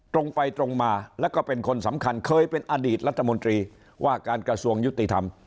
ตรงไปตรงมาแล้วก็เป็นคนสำคัญเคยเป็นอดีตรัฐมนตรีว่าการกระทรวงยุติธรรม